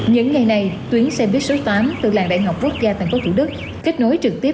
những ngày này tuyến xe buýt số tám từ làng đại học quốc gia tp thủ đức kết nối trực tiếp